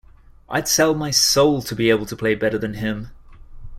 I’d sell my soul to be able to play better than him.